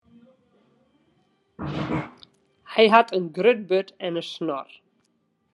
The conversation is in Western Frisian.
Hy hat in grut burd en in snor.